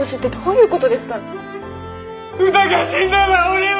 うたが死んだら俺は！